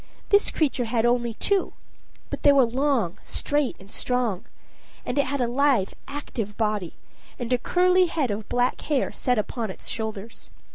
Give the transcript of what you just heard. This creature had only two; but they were long, straight, and strong. And it had a lithe, active body, and a curly head of black hair set upon its shoulders.